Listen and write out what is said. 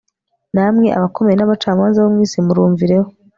namwe abakomeye n'abacamanza bo mu isi murumvireho